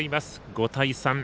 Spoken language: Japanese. ５対３。